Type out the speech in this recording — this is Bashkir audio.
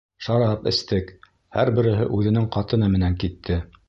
Шарап эстек, һәр береһе үҙенең ҡатыны менән китте.